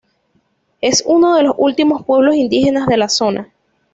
Es uno de los últimos pueblos indígenas de la zona.